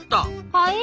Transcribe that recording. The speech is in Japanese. はい？